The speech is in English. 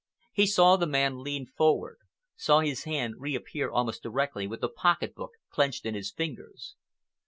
He saw the man lean forward, saw his hand reappear almost directly with the pocket book clenched in his fingers.